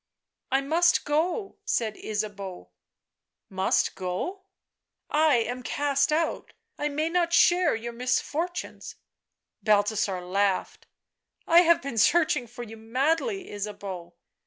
" I must go," said Ysabeau. " Must go V 9 " I am cast out — I may not share your misfortunes." Balthasar laughed. " I have been searching for you madly, Ysabeau."